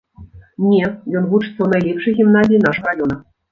Не, ён вучыцца ў найлепшай гімназіі нашага раёна.